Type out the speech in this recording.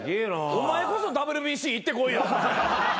お前こそＷＢＣ行ってこいよ。